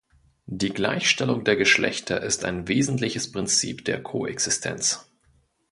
Die Gleichstellung der Geschlechter ist ein wesentliches Prinzip der Koexistenz.